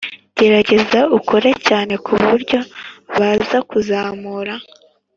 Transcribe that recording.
gerageza ukore cyane kuburyo baza kuzamura